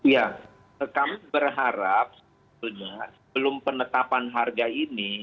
ya kami berharap sebetulnya sebelum penetapan harga ini